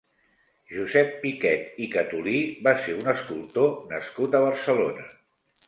Josep Piquet i Catulí va ser un escultor nascut a Barcelona.